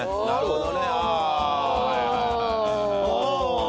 なるほどね！